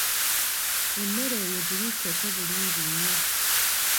Emmere eyo gibikkeko bulungi nnyo.